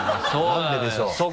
何ででしょう？